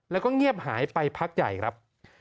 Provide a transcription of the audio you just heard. แล้วก็เงียบหายไปพักใหญ่ครับ